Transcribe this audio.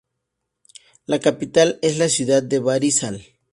La capital es la ciudad de Barisal.